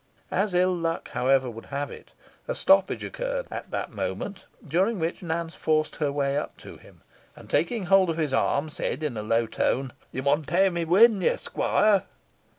As ill luck, however, would have it, a stoppage occurred at the moment, during which Nance forced her way up to him, and, taking hold of his arm, said in a low tone "Yo mun tae me in wi' ye, squoire."